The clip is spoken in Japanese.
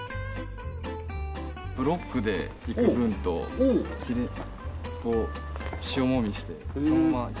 ブロックでいく分とこう塩揉みしてそのままいきます。